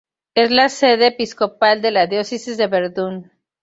Es la sede episcopal de la diócesis de Verdún.